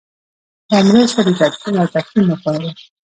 دا مرسته د تدفین او تکفین لپاره ده.